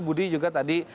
budi juga tadi